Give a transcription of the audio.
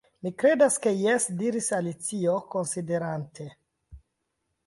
"Mi kredas ke jes," diris Alicio, konsiderante.